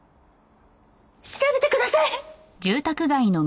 調べてください！